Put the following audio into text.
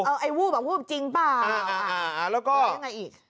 เอาไอ้วูบอ่ะวูบจริงเปล่าอ่าแล้วก็ยังไงอีก